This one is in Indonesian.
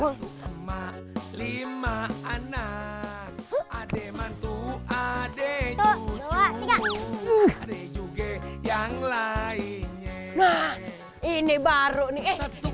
lima lima anak ademantu adek juga ada juga yang lainnya nah ini baru nih